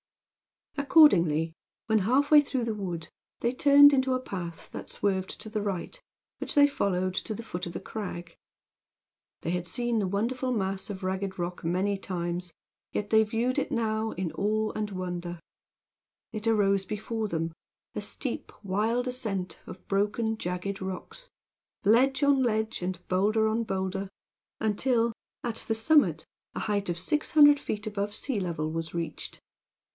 Accordingly, when half way through the wood, they turned into a path that swerved to the right, which they followed to the foot of the crag. They had seen the wonderful mass of ragged rock many times, yet they viewed it now in awe and wonder. There it arose before them, a steep, wild ascent of broken, jagged rocks ledge on ledge and bowlder on bowlder until, at the summit, a height of 600 feet above sea level was reached.